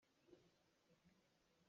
Ngazuatnak tili.